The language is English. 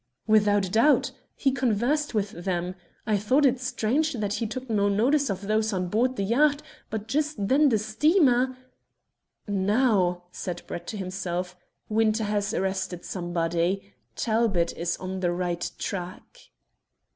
"Without doubt. He conversed with them. I thought it strange that he took no notice of those on board the yacht, but just then the steamer " "Now," said Brett to himself, "Winter has arrested somebody. Talbot is on the right track!"